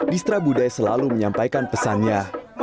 distra budaya selalu menyampaikan pesannya